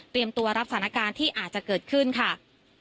ตัวรับสถานการณ์ที่อาจจะเกิดขึ้นค่ะ